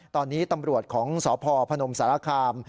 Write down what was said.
ตอนนี้ตำรวจของสพพนมสารคาม